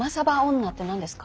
女って何ですか？